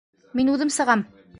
Мин үҙем сығам!